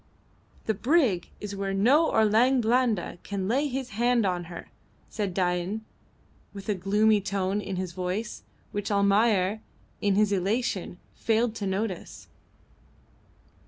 "The brig is where no Orang Blanda can lay his hands on her," said Dain, with a gloomy tone in his voice, which Almayer, in his elation, failed to notice.